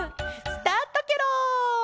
スタートケロ。